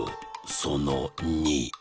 その２。